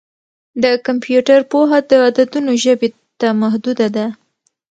د کمپیوټر پوهه د عددونو ژبې ته محدوده ده.